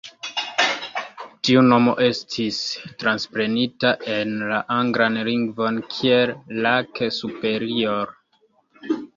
Tiu nomo estis transprenita en la anglan lingvon kiel "Lake Superior".